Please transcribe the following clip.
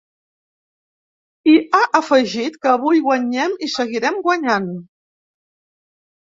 I ha afegit que ‘avui guanyem i seguirem guanyant!’.